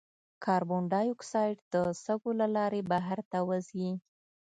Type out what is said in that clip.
کاربن ډای اکساید د سږو له لارې بهر ته وځي.